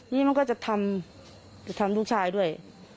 นี่มันก็จะทำจะทำลูกชายด้วย